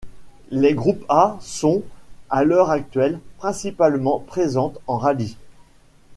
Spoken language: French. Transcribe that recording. Les Groupe A sont, à l'heure actuelle, principalement présentes en rallye.